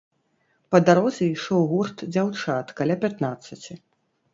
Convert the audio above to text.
Па дарозе ішоў гурт дзяўчат, каля пятнаццаці.